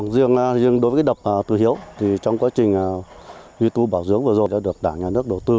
riêng đối với đập tử hiếu trong quá trình duy tư bảo dưỡng vừa rồi đã được đảng nhà nước đầu tư